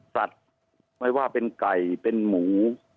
สัตว์ไม่ว่าเป็นไก่เป็นหมู